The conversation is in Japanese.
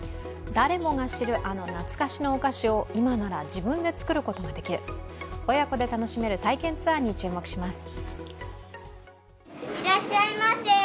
誰もが知るあの懐かしのお菓子を今なら自分で作ることができる親子で楽しめる体験ツアーに注目します。